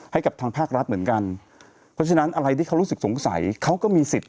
ให้กับทางภาครัฐเหมือนกันเพราะฉะนั้นอะไรที่เขารู้สึกสงสัยเขาก็มีสิทธิ์